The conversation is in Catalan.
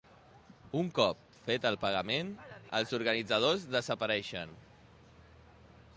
Un cop fet el pagament, els organitzadors desapareixen.